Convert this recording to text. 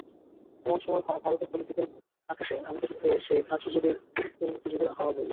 এমন সময়ে ভারতের পোলিটিক্যাল আকাশে আমাদের সেই ক্ষাত্রযুগের পরবর্তী যুগের হাওয়া বইল।